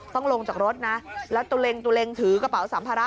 ต้องลงจากรถนะแล้วตัวเองถือกระเป๋าสัมภาระ